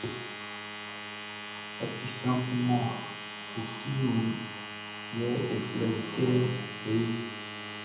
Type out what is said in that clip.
Ɔ ti sran kun mɔ e simɛn iʼn, yɛ e flɛ i kɛ hey.